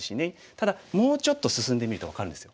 ただもうちょっと進んでみると分かるんですよ